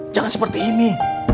jangan seperti ini